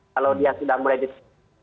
kalau dia sudah mulai ditekan